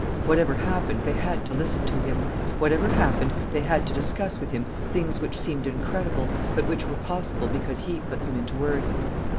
Whatever happened, they had to listen to him. Whatever happened, they had to discuss with him things which seemed incredible, but which were possible because he put them into words.